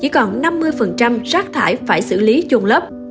còn năm mươi rác thải phải xử lý chôn lớp